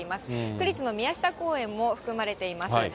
区立の宮下公園も含まれています。